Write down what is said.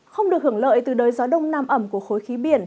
không được hưởng lợi từ đới gió đông nam ẩm của khối khí biển